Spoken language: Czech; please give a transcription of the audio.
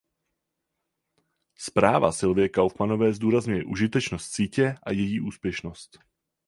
Zpráva Sylvie Kaufmannové zdůrazňuje užitečnost sítě a její úspěšnost.